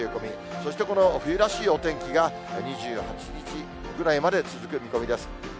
そしてこの冬らしいお天気が、２８日くらいまで続く見込みです。